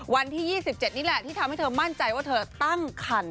วันที่๒๗นี่แหละที่ทำให้เธอมั่นใจว่าเธอตั้งคัน